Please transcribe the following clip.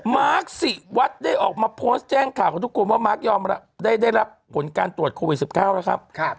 มาร์คศิวัตรได้ออกมาโพสต์แจ้งข่าวกับทุกคนว่ามาร์คยอมรับได้รับผลการตรวจโควิด๑๙แล้วครับ